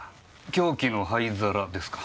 凶器の灰皿ですか。